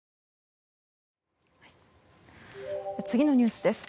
次のニュースです。